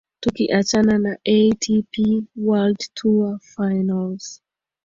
tukiachana na atp world tour finals